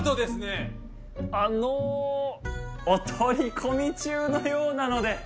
あのお取り込み中のようなので私はこれで。